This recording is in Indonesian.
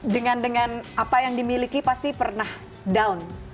dengan dengan apa yang dimiliki pasti pernah down